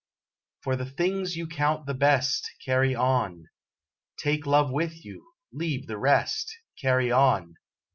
For the things you count the best, Carry on! Take love with you, leave the rest Carry on!